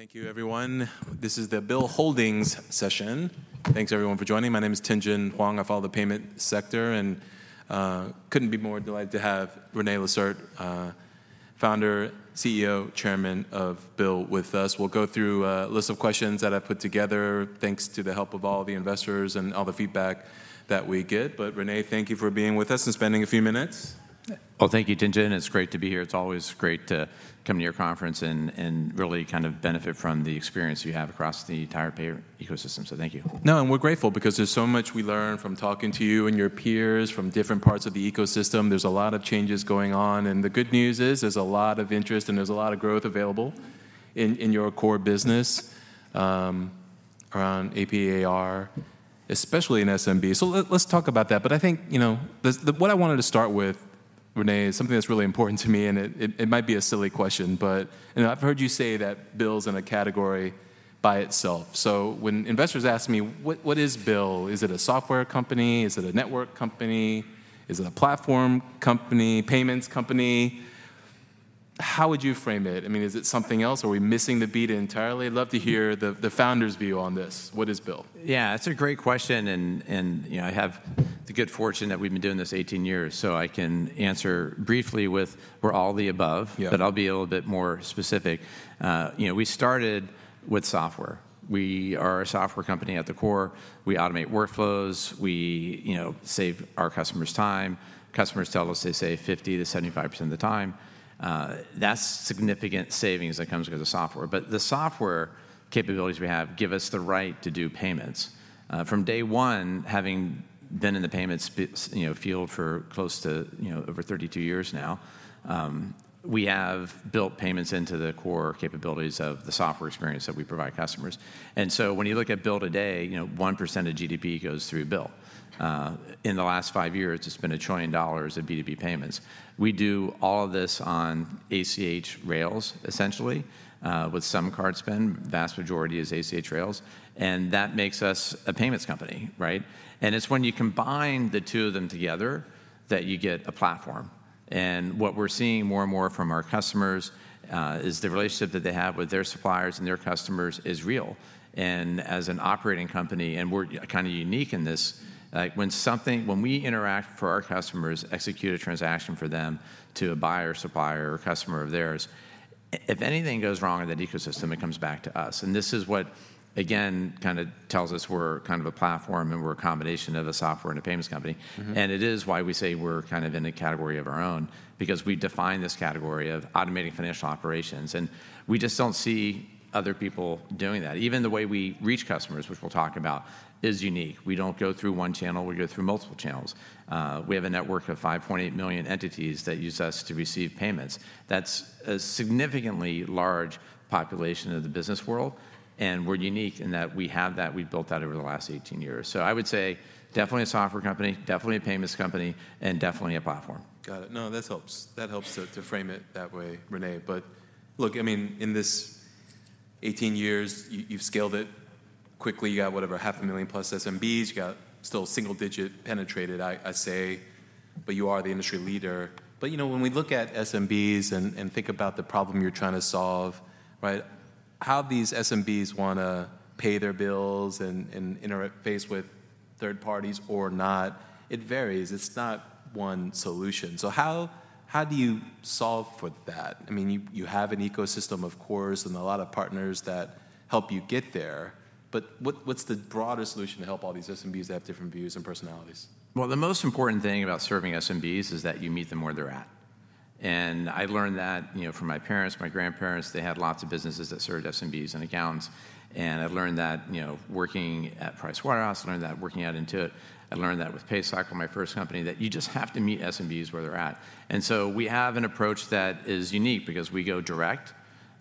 All right. Thank you, everyone. This is the BILL Holdings session. Thanks, everyone, for joining. My name is Tien-Tsin Huang. I follow the payment sector, and couldn't be more delighted to have René Lacerte, founder, CEO, chairman of BILL with us. We'll go through a list of questions that I've put together, thanks to the help of all the investors and all the feedback that we get. René, thank you for being with us and spending a few minutes. Well, thank you, Tien-Tsin. It's great to be here. It's always great to come to your conference and really kind of benefit from the experience you have across the entire payer ecosystem. So thank you. No, and we're grateful because there's so much we learn from talking to you and your peers from different parts of the ecosystem. There's a lot of changes going on, and the good news is, there's a lot of interest, and there's a lot of growth available in your core business around AP/AR, especially in SMB. So let's talk about that. But I think, you know, what I wanted to start with, René, is something that's really important to me, and it might be a silly question, but, you know, I've heard you say that BILL's in a category by itself. So when investors ask me: What is BILL? Is it a software company? Is it a network company? Is it a platform company, payments company? How would you frame it? I mean, is it something else, or are we missing the beat entirely? I'd love to hear the, the founder's view on this. What is BILL? Yeah, it's a great question, and, you know, I have the good fortune that we've been doing this 18 years, so I can answer briefly with, we're all the above. Yeah. But I'll be a little bit more specific. You know, we started with software. We are a software company at the core. We automate workflows. We, you know, save our customers time. Customers tell us they save 50%-75% of the time. That's significant savings that comes because of software. But the software capabilities we have give us the right to do payments. From day one, having been in the payments field for close to, you know, over 32 years now, we have built payments into the core capabilities of the software experience that we provide customers. And so when you look at BILL today, you know, 1% of GDP goes through BILL. In the last 5 years, it's been $1 trillion of B2B payments. We do all of this on ACH rails, essentially, with some card spend. Vast majority is ACH rails, and that makes us a payments company, right? And it's when you combine the two of them together that you get a platform. And what we're seeing more and more from our customers is the relationship that they have with their suppliers and their customers is real. And as an operating company, and we're kinda unique in this, like, when we interact for our customers, execute a transaction for them to a buyer, supplier, or customer of theirs, if anything goes wrong in that ecosystem, it comes back to us. And this is what, again, kinda tells us we're kind of a platform, and we're a combination of a software and a payments company. Mm-hmm. It is why we say we're kind of in a category of our own, because we define this category of automating financial operations, and we just don't see other people doing that. Even the way we reach customers, which we'll talk about, is unique. We don't go through one channel, we go through multiple channels. We have a network of 5.8 million entities that use us to receive payments. That's a significantly large population of the business world, and we're unique in that we have that. We've built that over the last 18 years. So I would say definitely a software company, definitely a payments company, and definitely a platform. Got it. No, this helps. That helps to frame it that way, René. But look, I mean, in this 18 years, you've scaled it quickly. You got, whatever, 500,000+ SMBs. You got still single-digit penetration, I'd say, but you are the industry leader. But, you know, when we look at SMBs and think about the problem you're trying to solve, right? How these SMBs wanna pay their bills and interface with third parties or not, it varies. It's not one solution. So how do you solve for that? I mean, you have an ecosystem, of course, and a lot of partners that help you get there, but what's the broader solution to help all these SMBs that have different views and personalities? Well, the most important thing about serving SMBs is that you meet them where they're at. And I learned that, you know, from my parents, my grandparents, they had lots of businesses that served SMBs and accountants, and I've learned that, you know, working at Pricewaterhouse, learned that working at Intuit, I learned that with PayCycle, my first company, that you just have to meet SMBs where they're at. And so we have an approach that is unique because we go direct,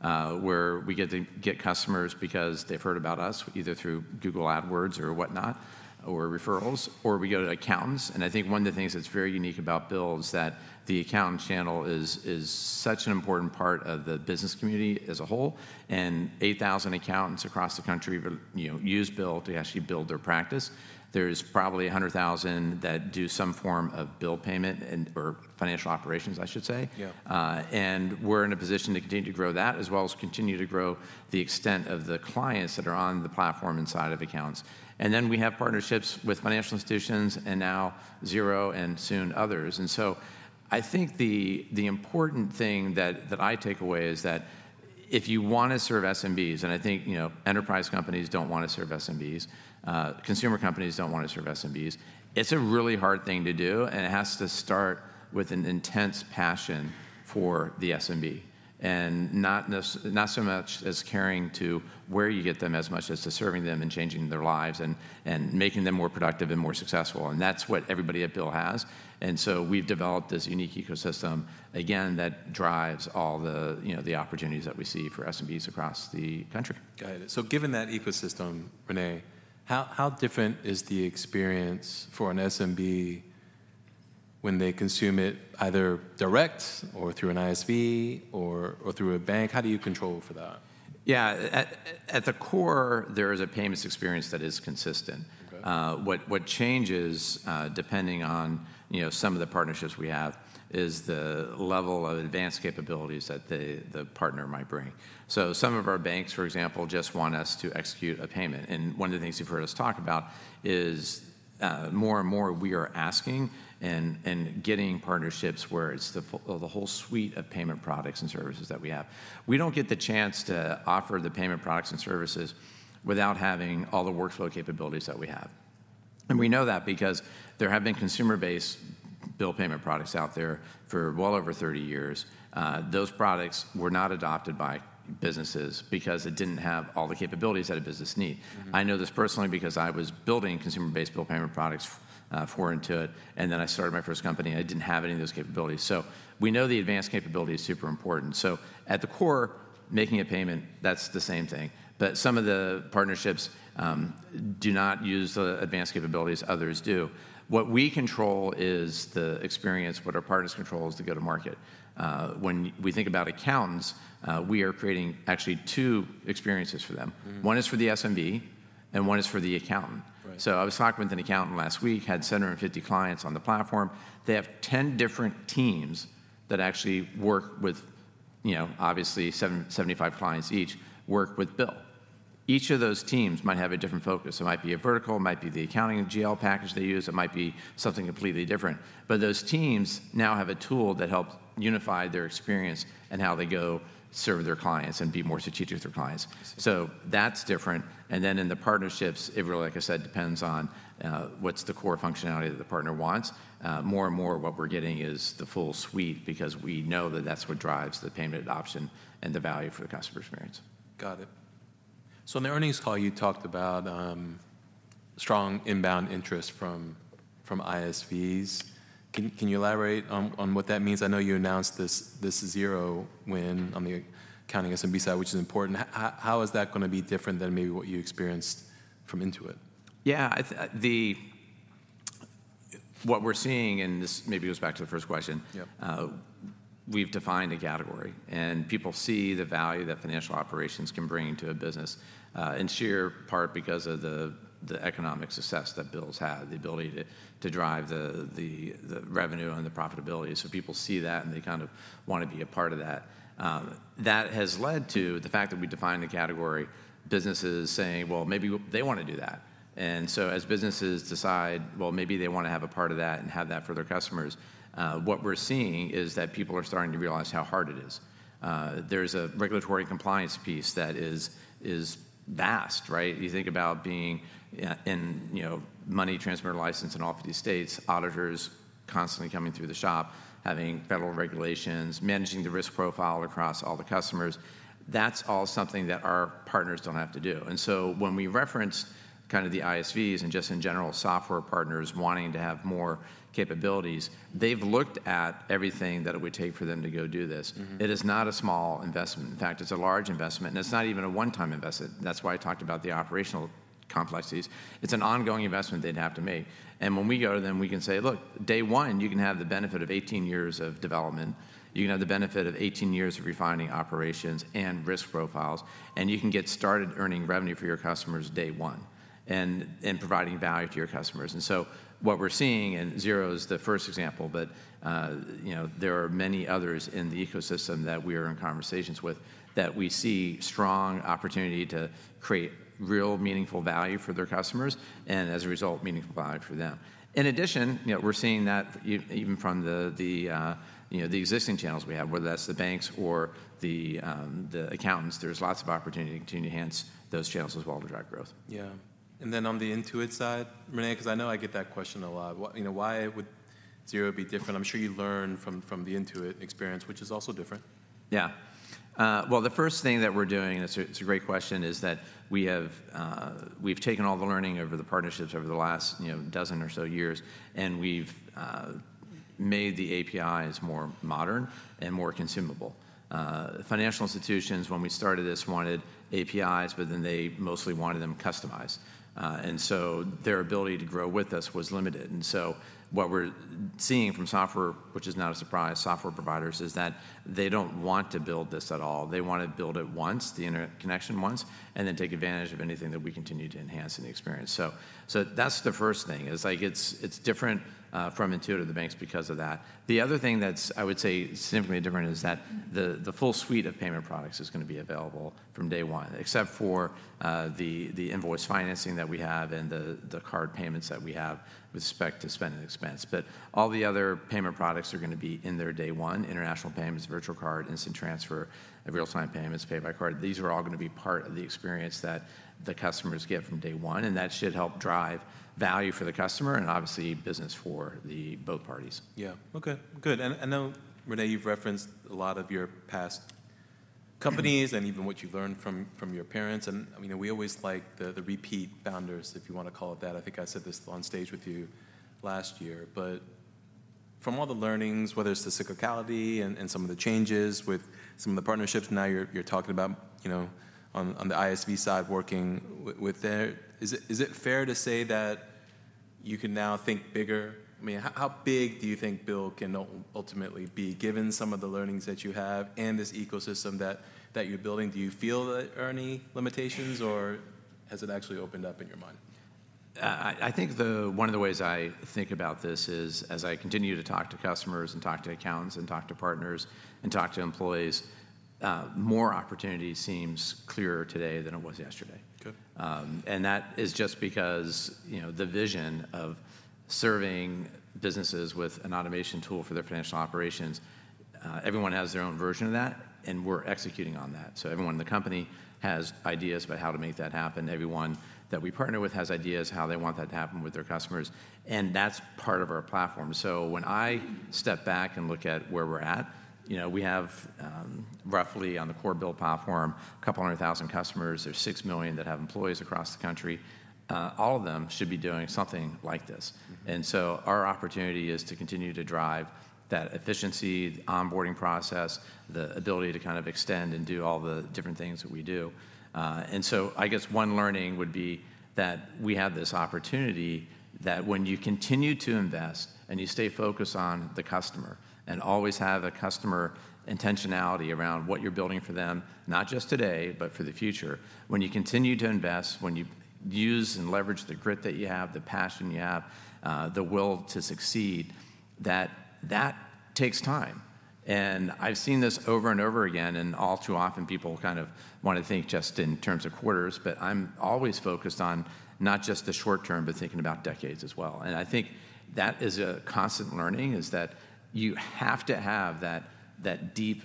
where we get to get customers because they've heard about us, either through Google AdWords or whatnot, or referrals, or we go to accountants. I think one of the things that's very unique about BILL is that the accountant channel is such an important part of the business community as a whole, and 8,000 accountants across the country will, you know, use BILL to actually build their practice. There's probably 100,000 that do some form of BILL payment and, or financial operations, I should say. Yeah. and we're in a position to continue to grow that, as well as continue to grow the extent of the clients that are on the platform inside of accountants. Then we have partnerships with financial institutions and now Xero and soon others. So I think the important thing that I take away is that if you wanna serve SMBs, and I think, you know, enterprise companies don't wanna serve SMBs, consumer companies don't wanna serve SMBs, it's a really hard thing to do, and it has to start with an intense passion for the SMB, not so much as caring to where you get them as much as to serving them and changing their lives and making them more productive and more successful, and that's what everybody at BILL has. And so we've developed this unique ecosystem, again, that drives all the, you know, the opportunities that we see for SMBs across the country. Got it. So given that ecosystem, René, how different is the experience for an SMB when they consume it either direct or through an ISV or through a bank, how do you control for that? Yeah, at the core, there is a payments experience that is consistent. Okay. What changes, depending on, you know, some of the partnerships we have, is the level of advanced capabilities that the partner might bring. So some of our banks, for example, just want us to execute a payment, and one of the things you've heard us talk about is, more and more we are asking and getting partnerships where it's the whole suite of payment products and services that we have. We don't get the chance to offer the payment products and services without having all the workflow capabilities that we have. And we know that because there have been consumer-based bill payment products out there for well over 30 years. Those products were not adopted by businesses because it didn't have all the capabilities that a business need. Mm-hmm. I know this personally because I was building consumer-based bill payment products before Intuit, and then I started my first company, and I didn't have any of those capabilities. So we know the advanced capability is super important. So at the core, making a payment, that's the same thing. But some of the partnerships do not use the advanced capabilities, others do. What we control is the experience. What our partners control is the go-to-market. When we think about accountants, we are creating actually two experiences for them. Mm. One is for the SMB, and one is for the accountant. Right. So I was talking with an accountant last week, had 750 clients on the platform. They have 10 different teams that actually work with, you know, obviously, 75 clients each, work with BILL. Each of those teams might have a different focus. It might be a vertical, it might be the accounting and GL package they use, it might be something completely different. But those teams now have a tool that helps unify their experience and how they go serve their clients and be more strategic with their clients. I see. So that's different, and then in the partnerships, it really, like I said, depends on what's the core functionality that the partner wants. More and more, what we're getting is the full suite because we know that that's what drives the payment adoption and the value for the customer experience. Got it. So in the earnings call, you talked about strong inbound interest from ISVs. Can you elaborate on what that means? I know you announced this Xero win on the accounting SMB side, which is important. How is that gonna be different than maybe what you experienced from Intuit? What we're seeing, and this maybe goes back to the first question- Yeah... we've defined a category, and people see the value that financial operations can bring to a business, in sheer part because of the economic success that BILL's had, the ability to drive the revenue and the profitability. So people see that, and they kind of want to be a part of that. That has led to the fact that we defined a category, businesses saying, well, maybe they want to do that. And so as businesses decide, well, maybe they want to have a part of that and have that for their customers, what we're seeing is that people are starting to realize how hard it is. There's a regulatory compliance piece that is vast, right? You think about being in, you know, money transmitter license in all of these states, auditors constantly coming through the shop, having federal regulations, managing the risk profile across all the customers. That's all something that our partners don't have to do. And so when we reference kind of the ISVs and just in general, software partners wanting to have more capabilities, they've looked at everything that it would take for them to go do this. Mm-hmm. It is not a small investment. In fact, it's a large investment, and it's not even a one-time investment. That's why I talked about the operational complexities. It's an ongoing investment they'd have to make. And when we go to them, we can say: Look, day one, you can have the benefit of 18 years of development. You can have the benefit of 18 years of refining operations and risk profiles, and you can get started earning revenue for your customers day one and providing value to your customers. And so what we're seeing, and Xero is the first example, but you know, there are many others in the ecosystem that we are in conversations with, that we see strong opportunity to create real, meaningful value for their customers, and as a result, meaningful value for them. In addition, you know, we're seeing that even from the, you know, the existing channels we have, whether that's the banks or the accountants, there's lots of opportunity to continue to enhance those channels as well to drive growth. Yeah. And then on the Intuit side, René, because I know I get that question a lot, you know, why would Xero be different? I'm sure you learned from the Intuit experience, which is also different. Yeah. Well, the first thing that we're doing, it's a great question, is that we have, we've taken all the learning over the partnerships over the last, you know, dozen or so years, and we've made the APIs more modern and more consumable. Financial institutions, when we started this, wanted APIs, but then they mostly wanted them customized, and so their ability to grow with us was limited. And so what we're seeing from software, which is not a surprise, software providers, is that they don't want to build this at all. They want to build it once, the internet connection once, and then take advantage of anything that we continue to enhance in the experience. So that's the first thing, is like it's different from Intuit or the banks because of that. The other thing that's, I would say, significantly different, is that the full suite of payment products is gonna be available from day one, except for the invoice financing that we have and the card payments that we have with respect to Spend & Expense. But all the other payment products are gonna be in there day one: international payments, virtual card, instant transfer, and real-time payments, pay by card. These are all gonna be part of the experience that the customers get from day one, and that should help drive value for the customer and obviously business for the both parties. Yeah. Okay, good. And, and I know, René, you've referenced a lot of your past companies- Mm... and even what you've learned from your parents, and, you know, we always like the repeat founders, if you want to call it that. I think I said this on stage with you last year. But from all the learnings, whether it's the cyclicality and some of the changes with some of the partnerships, now you're talking about, you know, on the ISV side, working with them, is it fair to say that you can now think bigger? I mean, how big do you think BILL can ultimately be, given some of the learnings that you have and this ecosystem that you're building? Do you feel there are any limitations, or has it actually opened up in your mind? One of the ways I think about this is, as I continue to talk to customers, and talk to accountants, and talk to partners, and talk to employees, more opportunity seems clearer today than it was yesterday. Okay. And that is just because, you know, the vision of serving businesses with an automation tool for their financial operations, everyone has their own version of that, and we're executing on that. So everyone in the company has ideas about how to make that happen. Everyone that we partner with has ideas how they want that to happen with their customers, and that's part of our platform. So when I step back and look at where we're at, you know, we have, roughly, on the core BILL platform, 200,000 customers. There's 6 million that have employees across the country. All of them should be doing something like this. Mm-hmm. And so our opportunity is to continue to drive that efficiency, the onboarding process, the ability to kind of extend and do all the different things that we do. And so I guess one learning would be that we have this opportunity, that when you continue to invest, and you stay focused on the customer, and always have a customer intentionality around what you're building for them, not just today, but for the future, when you continue to invest, when you use and leverage the grit that you have, the passion you have, the will to succeed, that that takes time. And I've seen this over and over again, and all too often, people kind of want to think just in terms of quarters, but I'm always focused on not just the short term, but thinking about decades as well. I think that is a constant learning, that you have to have that deep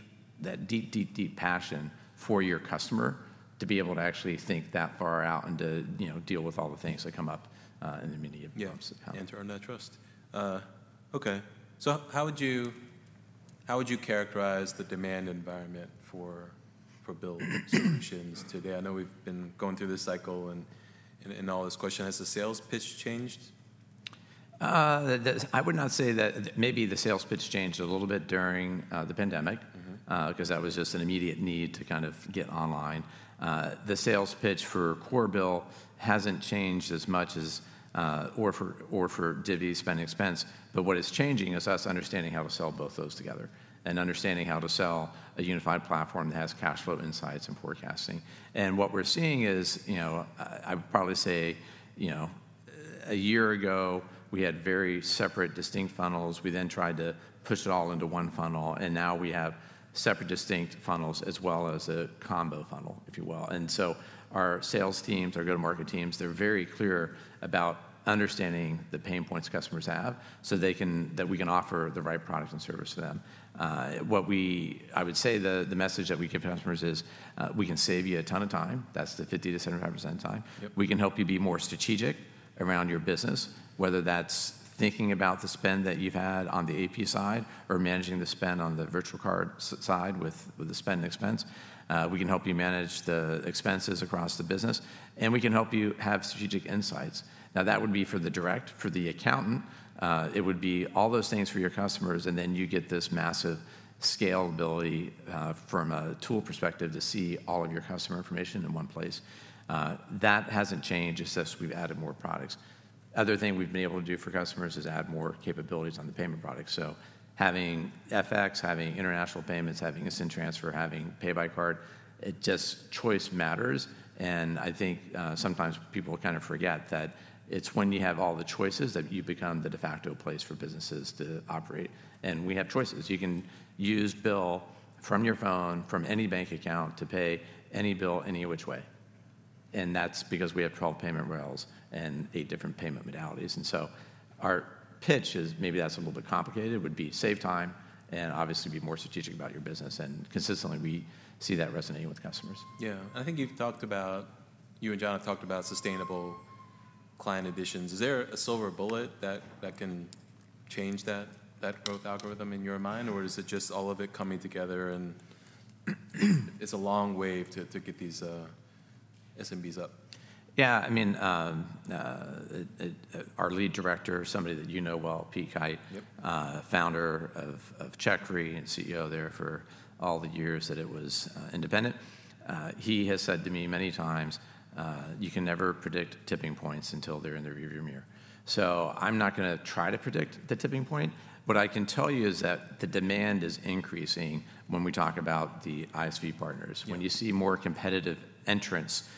passion for your customer to be able to actually think that far out and to, you know, deal with all the things that come up in the many bumps in the road. Yeah, and turn that trust. Okay. So how would you characterize the demand environment for BILL solutions today? I know we've been going through this cycle, and all this question, has the sales pitch changed? I would not say that. Maybe the sales pitch changed a little bit during the pandemic. Mm-hmm... because that was just an immediate need to kind of get online. The sales pitch for BILL hasn't changed as much as or for Divvy Spend & Expense, but what is changing is us understanding how to sell both those together and understanding how to sell a unified platform that has cash flow insights and forecasting. What we're seeing is, you know, I would probably say, you know, a year ago, we had very separate, distinct funnels. We then tried to push it all into one funnel, and now we have separate, distinct funnels, as well as a combo funnel, if you will. So our sales teams, our go-to-market teams, they're very clear about understanding the pain points customers have, so they can, that we can offer the right product and service to them. I would say the message that we give customers is, "We can save you a ton of time." That's the 50%-75% time. Yep. We can help you be more strategic around your business," whether that's thinking about the spend that you've had on the AP side or managing the spend on the virtual cards side with the Spend & Expense. We can help you manage the expenses across the business, and we can help you have strategic insights. Now, that would be for the direct. For the accountant, it would be all those things for your customers, and then you get this massive scalability from a tool perspective, to see all of your customer information in one place. That hasn't changed, it's just we've added more products. Other thing we've been able to do for customers is add more capabilities on the payment products, so having FX, having international payments, having instant transfer, having pay by card, it just... Choice matters, and I think, sometimes people kind of forget that it's when you have all the choices that you become the de facto place for businesses to operate, and we have choices. You can use BILL from your phone, from any bank account, to pay any bill, any which way, and that's because we have 12 payment rails and 8 different payment modalities. And so our pitch is, maybe that's a little bit complicated, would be save time, and obviously, be more strategic about your business. And consistently, we see that resonating with customers. Yeah. I think you've talked about... You and John have talked about sustainable client additions. Is there a silver bullet that can change that growth algorithm in your mind, or is it just all of it coming together, and it's a long wave to get these SMBs up? Yeah, I mean, our lead director, somebody that you know well, Pete Kight- Yep... founder of, of CheckFree and CEO there for all the years that it was, independent, he has said to me many times, "You can never predict tipping points until they're in the rear view mirror." So I'm not gonna try to predict the tipping point, what I can tell you is that the demand is increasing when we talk about the ISV partners. Yeah. When you see more competitive entrants,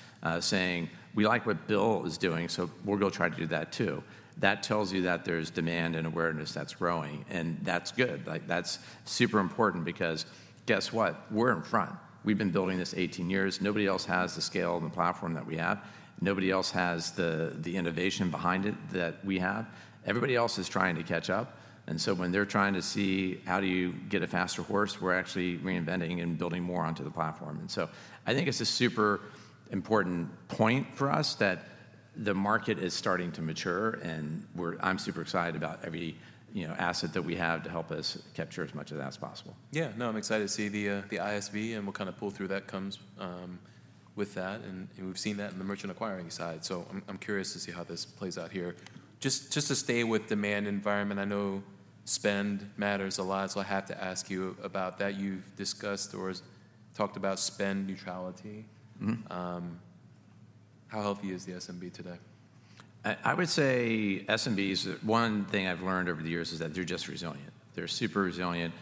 saying: "We like what BILL is doing, so we're gonna try to do that too," that tells you that there's demand and awareness that's growing, and that's good. Like, that's super important because guess what? We're in front. We've been building this 18 years. Nobody else has the scale and the platform that we have. Nobody else has the innovation behind it that we have. Everybody else is trying to catch up, and so when they're trying to see, how do you get a faster horse, we're actually reinventing and building more onto the platform. And so I think it's a super important point for us, that the market is starting to mature, and we're - I'm super excited about every, you know, asset that we have to help us capture as much of that as possible. Yeah, no, I'm excited to see the ISV and what kind of pull through that comes with that, and we've seen that in the merchant acquiring side. So I'm curious to see how this plays out here. Just to stay with demand environment, I know spend matters a lot, so I have to ask you about that. You've talked about spend neutrality. Mm-hmm. How healthy is the SMB today? I, I would say SMBs, one thing I've learned over the years is that they're just resilient. They're super resilient.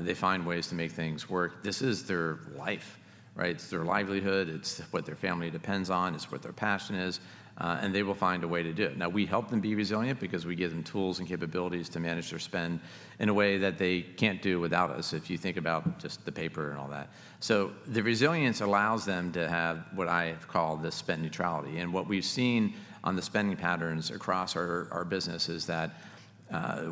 They find ways to make things work. This is their life, right? It's their livelihood, it's what their family depends on, it's what their passion is, and they will find a way to do it. Now, we help them be resilient because we give them tools and capabilities to manage their spend in a way that they can't do without us, if you think about just the paper and all that. So the resilience allows them to have what I call the spend neutrality, and what we've seen on the spending patterns across our, our business is that,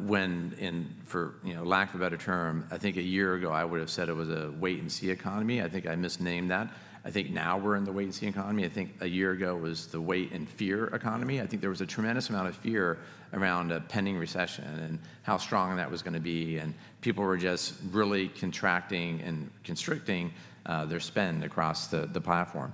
when in for, you know, lack of a better term, I think a year ago I would have said it was a wait and see economy. I think I misnamed that. I think now we're in the wait and see economy. I think a year ago it was the wait and fear economy. I think there was a tremendous amount of fear around a pending recession and how strong that was gonna be, and people were just really contracting and constricting their spend across the platform.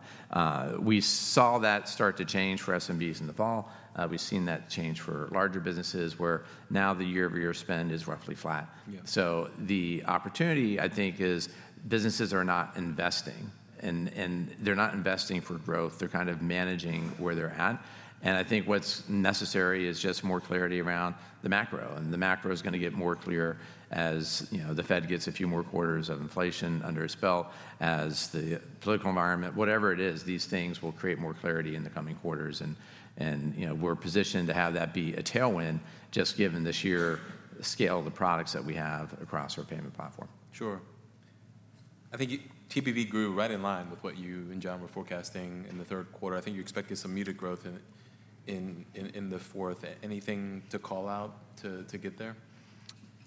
We saw that start to change for SMBs in the fall. We've seen that change for larger businesses, where now the year-over-year spend is roughly flat. Yeah. So the opportunity, I think, is businesses are not investing, and they're not investing for growth. They're kind of managing where they're at, and I think what's necessary is just more clarity around the macro, and the macro is gonna get more clear as, you know, the Fed gets a few more quarters of inflation under its belt, as the political environment... Whatever it is, these things will create more clarity in the coming quarters, and you know, we're positioned to have that be a tailwind, just given the sheer scale of the products that we have across our payment platform. Sure. I think TPV grew right in line with what you and John were forecasting in the third quarter. I think you expected some muted growth in the fourth. Anything to call out to get there?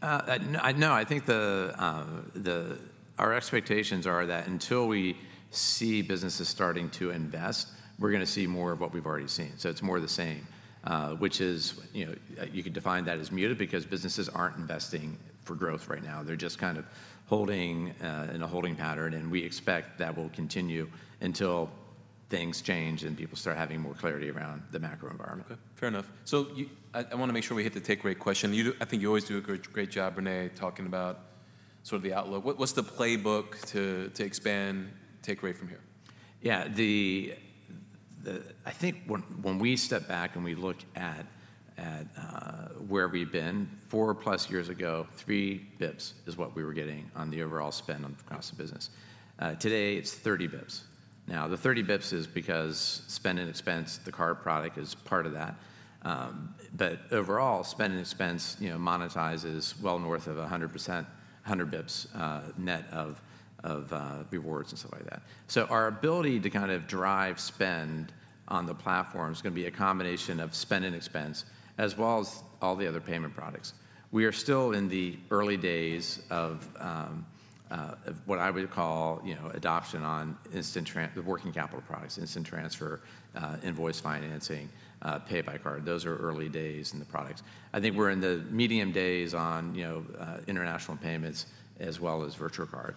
No, I think our expectations are that until we see businesses starting to invest, we're gonna see more of what we've already seen. So it's more of the same, which is, you know, you could define that as muted because businesses aren't investing for growth right now. They're just kind of holding in a holding pattern, and we expect that will continue until things change and people start having more clarity around the macro environment. Okay, fair enough. So I wanna make sure we hit the take rate question. I think you always do a great, great job, René, talking about sort of the outlook. What's the playbook to expand take rate from here? Yeah, I think when we step back and we look at where we've been, 4+ years ago, 3 bips is what we were getting on the overall spend across the business. Today, it's 30 bips. Now, the 30 bips is because Spend & Expense, the card product is part of that. But overall, Spend & Expense, you know, monetizes well north of 100%, 100 bips, net of rewards and stuff like that. So our ability to kind of drive spend on the platform is gonna be a combination of Spend & Expense, as well as all the other payment products. We are still in the early days of what I would call, you know, adoption on the working capital products, instant transfer, invoice financing, pay by card. Those are early days in the products. I think we're in the medium days on, you know, international payments as well as virtual card.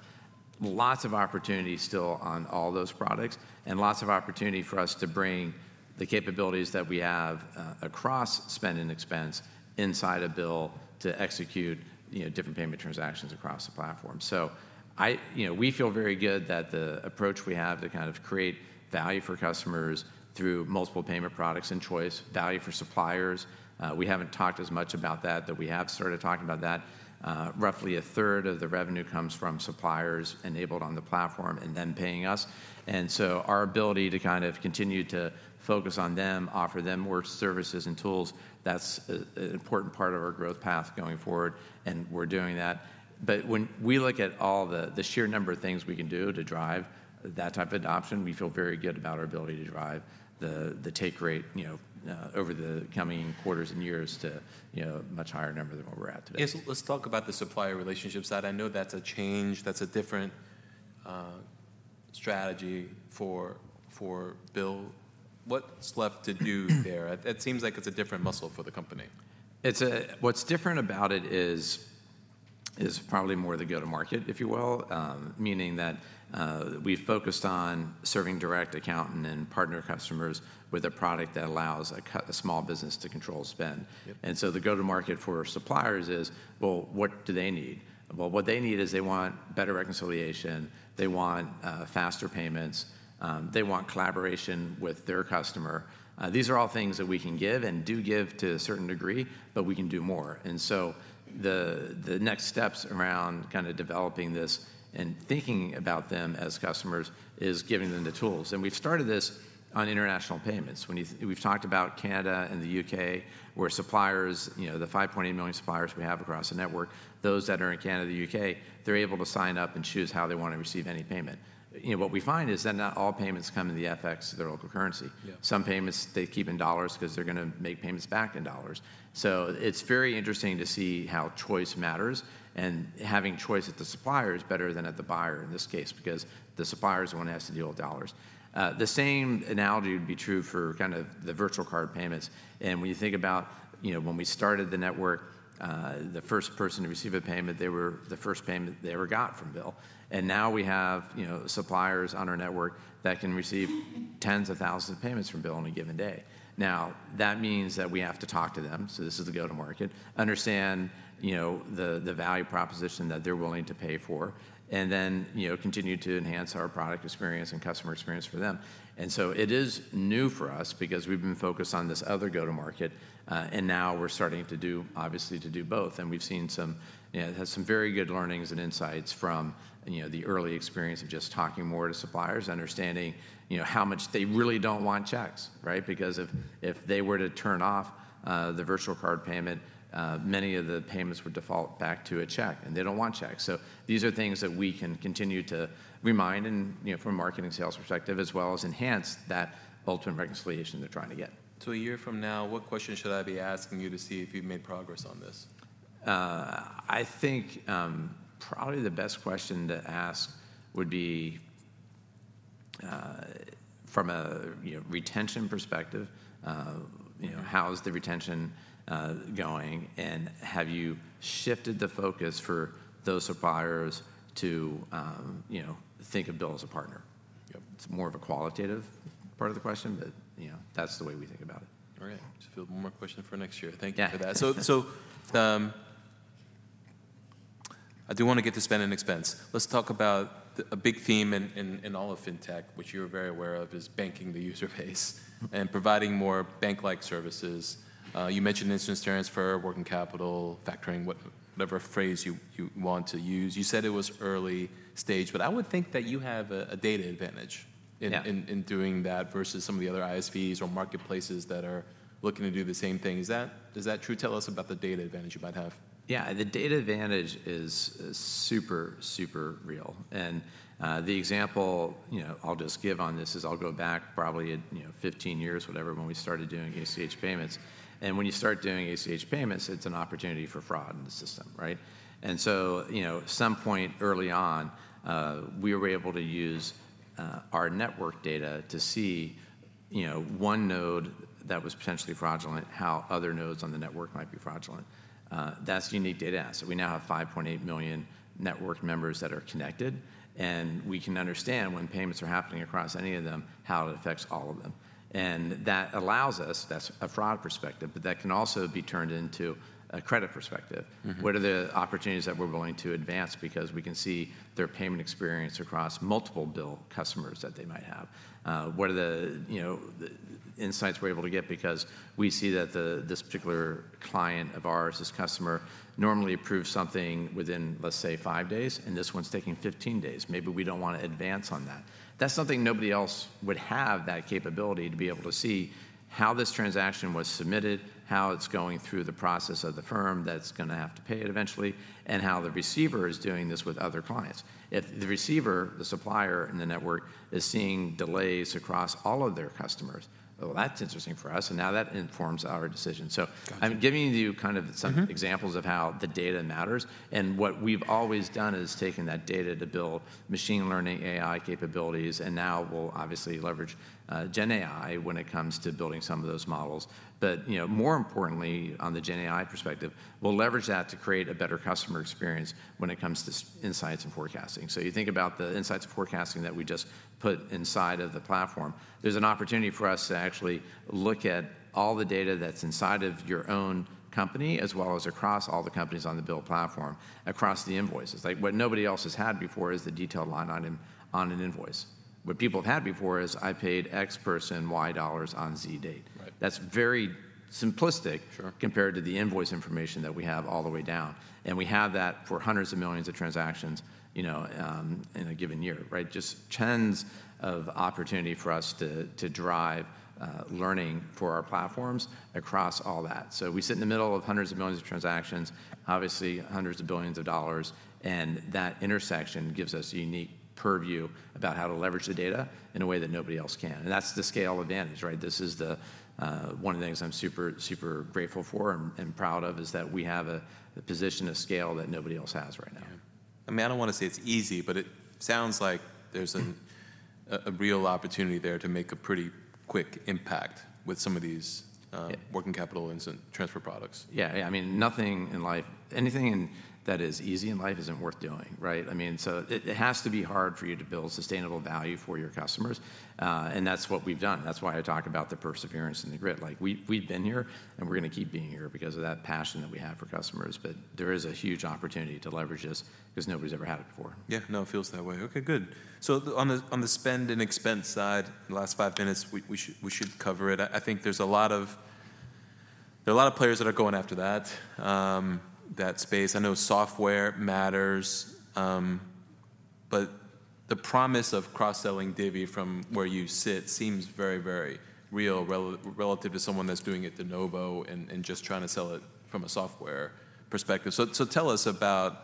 Lots of opportunity still on all those products, and lots of opportunity for us to bring the capabilities that we have across Spend & Expense inside BILL to execute, you know, different payment transactions across the platform. So, you know, we feel very good that the approach we have to kind of create value for customers through multiple payment products and choice, value for suppliers. We haven't talked as much about that, but we have started talking about that. Roughly a third of the revenue comes from suppliers enabled on the platform and then paying us. Our ability to kind of continue to focus on them, offer them more services and tools, that's an important part of our growth path going forward, and we're doing that. But when we look at all the sheer number of things we can do to drive that type of adoption, we feel very good about our ability to drive the take rate, you know, over the coming quarters and years to, you know, much higher number than where we're at today. Yes. Let's talk about the supplier relationship side. I know that's a change, that's a different strategy for BILL. What's left to do there? It seems like it's a different muscle for the company. It's... what's different about it is probably more the go-to-market, if you will. Meaning that, we've focused on serving direct accountant and partner customers with a product that allows a small business to control spend. Yep. And so the go-to-market for suppliers is, well, what do they need? Well, what they need is they want better reconciliation, they want faster payments, they want collaboration with their customer. These are all things that we can give and do give to a certain degree, but we can do more. And so the next steps around kinda developing this and thinking about them as customers is giving them the tools, and we've started this on international payments. We've talked about Canada and the U.K., where suppliers, you know, the 5.8 million suppliers we have across the network, those that are in Canada, U.K., they're able to sign up and choose how they wanna receive any payment. You know, what we find is that not all payments come in the FX, their local currency. Yeah. Some payments they keep in dollars 'cause they're gonna make payments back in dollars. So it's very interesting to see how choice matters, and having choice at the supplier is better than at the buyer in this case, because the supplier is the one who has to deal with dollars. The same analogy would be true for kind of the virtual card payments. And when you think about, you know, when we started the network, the first person to receive a payment, they were the first payment they ever got from BILL. And now we have, you know, suppliers on our network that can receive tens of thousands of payments from BILL on a given day. Now, that means that we have to talk to them, so this is the go-to-market, understand, you know, the, the value proposition that they're willing to pay for, and then, you know, continue to enhance our product experience and customer experience for them. And so it is new for us because we've been focused on this other go-to-market, and now we're starting to do, obviously, to do both, and we've seen some, you know, had some very good learnings and insights from, you know, the early experience of just talking more to suppliers, understanding, you know, how much they really don't want checks, right? Because if, if they were to turn off, the virtual card payment, many of the payments would default back to a check, and they don't want checks. These are things that we can continue to remind and, you know, from a marketing sales perspective, as well as enhance that ultimate reconciliation they're trying to get. A year from now, what question should I be asking you to see if you've made progress on this? I think probably the best question to ask would be from a, you know, retention perspective. Mm-hmm.... you know, how is the retention going, and have you shifted the focus for those suppliers to, you know, think of BILL as a partner? Yep. It's more of a qualitative part of the question, but, you know, that's the way we think about it. All right. Just one more question for next year. Yeah. Thank you for that. So, I do want to get to Spend & Expense. Let's talk about a big theme in all of fintech, which you're very aware of, is banking the user base- Mm... and providing more bank-like services. You mentioned instant transfer, working capital, factoring, whatever phrase you want to use. You said it was early stage, but I would think that you have a data advantage- Yeah... in doing that versus some of the other ISVs or marketplaces that are looking to do the same thing. Is that true? Tell us about the data advantage you might have. Yeah, the data advantage is, is super, super real, and the example, you know, I'll just give on this is I'll go back probably, you know, 15 years, whatever, when we started doing ACH payments. And when you start doing ACH payments, it's an opportunity for fraud in the system, right? And so, you know, at some point early on, we were able to use our network data to see, you know, one node that was potentially fraudulent, how other nodes on the network might be fraudulent. That's unique data. So we now have 5.8 million network members that are connected, and we can understand when payments are happening across any of them, how it affects all of them. And that allows us... That's a fraud perspective, but that can also be turned into a credit perspective. Mm-hmm. What are the opportunities that we're willing to advance? Because we can see their payment experience across multiple BILL customers that they might have. What are the, you know, the insights we're able to get because we see that the, this particular client of ours, this customer, normally approves something within, let's say, five days, and this one's taking 15 days. Maybe we don't want to advance on that. That's something nobody else would have that capability to be able to see how this transaction was submitted, how it's going through the process of the firm that's gonna have to pay it eventually, and how the receiver is doing this with other clients. If the receiver, the supplier in the network, is seeing delays across all of their customers, well, that's interesting for us, and now that informs our decision. Gotcha. I'm giving you kind of some- Mm-hmm... examples of how the data matters, and what we've always done is taken that data to build machine learning, AI capabilities, and now we'll obviously leverage GenAI when it comes to building some of those models. But, you know, more importantly, on the GenAI perspective, we'll leverage that to create a better customer experience when it comes to insights and forecasting. So you think about the insights and forecasting that we just put inside of the platform, there's an opportunity for us to actually look at all the data that's inside of your own company, as well as across all the companies on the BILL platform, across the invoices. Like, what nobody else has had before is the detailed line on an invoice. What people have had before is, "I paid X person Y dollars on Z date. Right. That's very simplistic- Sure... compared to the invoice information that we have all the way down, and we have that for hundreds of millions of transactions, you know, in a given year, right? Just tons of opportunity for us to drive learning for our platforms across all that. So we sit in the middle of hundreds of millions of transactions, obviously hundreds of billions of dollars, and that intersection gives us a unique purview about how to leverage the data in a way that nobody else can, and that's the scale advantage, right? This is one of the things I'm super, super grateful for and proud of, is that we have a position of scale that nobody else has right now. Yeah. I mean, I don't want to say it's easy, but it sounds like there's a real opportunity there to make a pretty quick impact with some of these, Yeah... working capital Instant Transfer products. Yeah. Yeah, I mean, nothing in life, anything that is easy in life isn't worth doing, right? I mean, so it has to be hard for you to build sustainable value for your customers, and that's what we've done. That's why I talk about the perseverance and the grit. Like, we've been here, and we're gonna keep being here because of that passion that we have for customers. But there is a huge opportunity to leverage this because nobody's ever had it before. Yeah. No, it feels that way. Okay, good. So on the Spend & Expense side, the last 5 minutes, we should cover it. I think there's a lot of... There are a lot of players that are going after that space. I know software matters, but the promise of cross-selling Divvy from where you sit seems very, very real relative to someone that's doing it de novo and just trying to sell it from a software perspective. So tell us about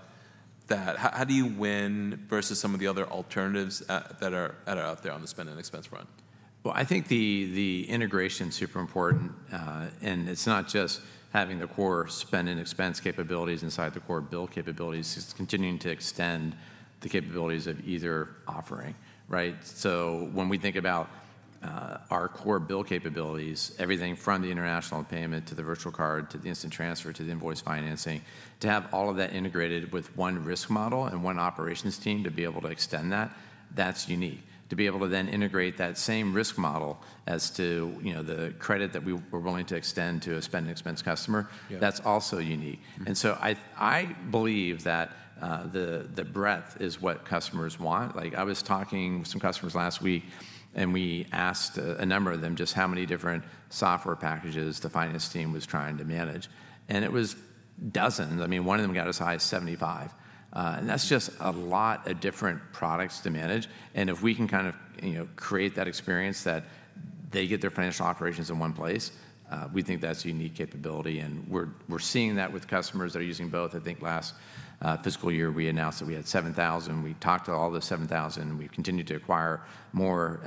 that. How do you win versus some of the other alternatives that are out there on the Spend & Expense front? Well, I think the integration's super important, and it's not just having the core Spend & Expense capabilities inside the core BILL capabilities. It's continuing to extend the capabilities of either offering, right? So when we think about our core BILL capabilities, everything from the international payment to the virtual card, to the instant transfer, to the invoice financing, to have all of that integrated with one risk model and one operations team, to be able to extend that, that's unique. To be able to then integrate that same risk model as to, you know, the credit that we're willing to extend to a Spend & Expense customer- Yeah. -that's also unique. Mm-hmm. I believe that the breadth is what customers want. Like, I was talking with some customers last week, and we asked a number of them just how many different software packages the finance team was trying to manage, and it was dozens. I mean, one of them got as high as 75. And that's just a lot of different products to manage, and if we can kind of, you know, create that experience that they get their financial operations in one place, we think that's a unique capability, and we're seeing that with customers that are using both. I think last fiscal year, we announced that we had 7,000. We talked to all the 7,000, and we've continued to acquire more,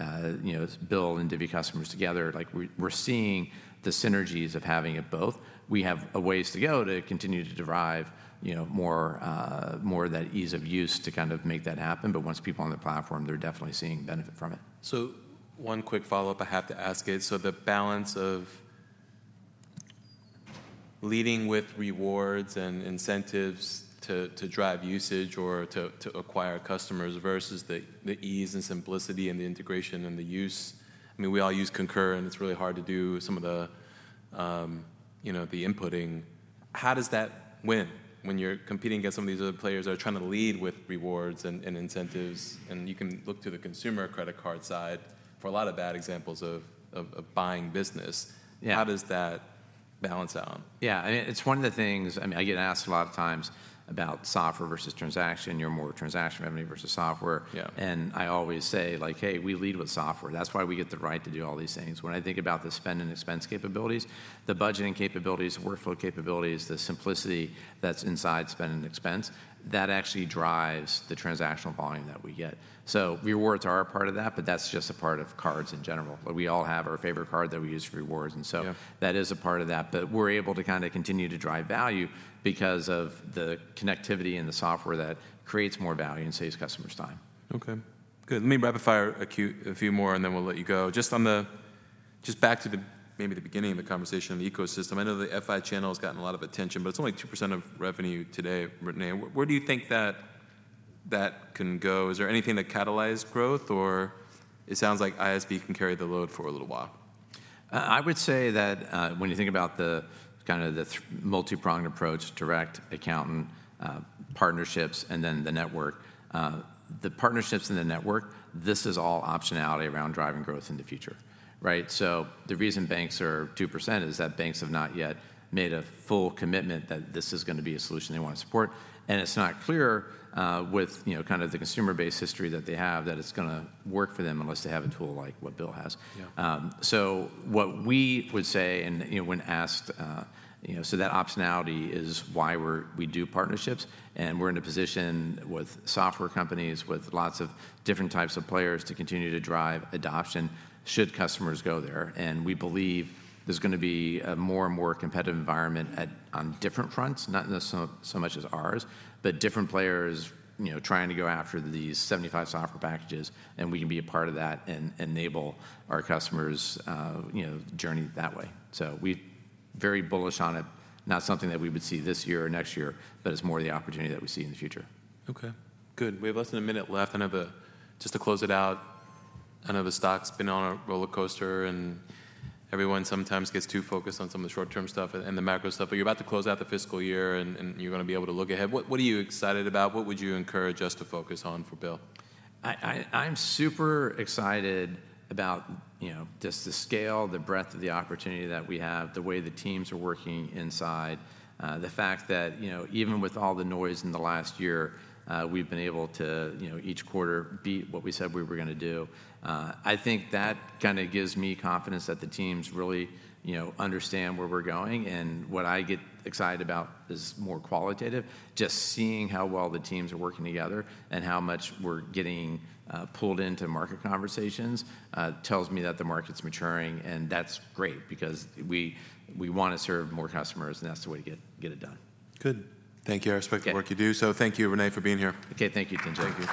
you know, BILL and Divvy customers together. Like, we're seeing the synergies of having it both. We have a ways to go to continue to derive, you know, more, more of that ease of use to kind of make that happen, but once people are on the platform, they're definitely seeing benefit from it. So one quick follow-up I have to ask is, so the balance of leading with rewards and incentives to drive usage or to acquire customers versus the ease and simplicity and the integration and the use. I mean, we all use Concur, and it's really hard to do some of the, you know, the inputting. How does that win when you're competing against some of these other players that are trying to lead with rewards and incentives? And you can look to the consumer credit card side for a lot of bad examples of buying business. Yeah. How does that balance out? Yeah, I mean, it's one of the things... I mean, I get asked a lot of times about software versus transaction. You're more transaction revenue versus software. Yeah. I always say, like: Hey, we lead with software. That's why we get the right to do all these things. When I think about the Spend & Expense capabilities, the budgeting capabilities, the workflow capabilities, the simplicity that's inside Spend & Expense, that actually drives the transactional volume that we get. So rewards are a part of that, but that's just a part of cards in general. But we all have our favorite card that we use for rewards, and so- Yeah... that is a part of that, but we're able to kinda continue to drive value because of the connectivity and the software that creates more value and saves customers time. Okay, good. Let me rapid-fire a few more, and then we'll let you go. Just back to the beginning of the conversation on the ecosystem. I know the FI channel has gotten a lot of attention, but it's only 2% of revenue today, René. Where do you think that that can go? Is there anything that catalyzed growth, or it sounds like ISV can carry the load for a little while? I would say that, when you think about the, kinda the multipronged approach, direct accountant partnerships, and then the network, the partnerships and the network, this is all optionality around driving growth in the future, right? So the reason banks are 2% is that banks have not yet made a full commitment that this is gonna be a solution they want to support, and it's not clear, with, you know, kind of the consumer base history that they have, that it's gonna work for them unless they have a tool like what BILL has. Yeah. So what we would say and, you know, when asked, you know, so that optionality is why we do partnerships, and we're in a position with software companies, with lots of different types of players to continue to drive adoption, should customers go there. And we believe there's gonna be a more and more competitive environment at, on different fronts, not necessarily so much as ours, but different players, you know, trying to go after these 75 software packages, and we can be a part of that and enable our customers' journey that way. So we're very bullish on it. Not something that we would see this year or next year, but it's more the opportunity that we see in the future. Okay, good. We have less than a minute left. I know... Just to close it out, I know the stock's been on a rollercoaster, and everyone sometimes gets too focused on some of the short-term stuff and the macro stuff, but you're about to close out the fiscal year, and you're gonna be able to look ahead. What are you excited about? What would you encourage us to focus on for BILL? I'm super excited about, you know, just the scale, the breadth of the opportunity that we have, the way the teams are working inside, the fact that, you know, even with all the noise in the last year, we've been able to, you know, each quarter, beat what we said we were gonna do. I think that kinda gives me confidence that the teams really, you know, understand where we're going, and what I get excited about is more qualitative. Just seeing how well the teams are working together and how much we're getting pulled into market conversations tells me that the market's maturing, and that's great because we wanna serve more customers, and that's the way to get it done. Good. Thank you. Yeah. I respect the work you do, so thank you, René, for being here. Okay, thank you, Tien-Tsin.